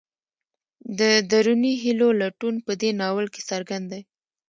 د دروني هیلو لټون په دې ناول کې څرګند دی.